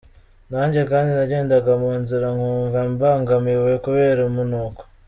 Nanjye kandi nagendaga mu nzira nkumva mbangamiwe kubera umunuko.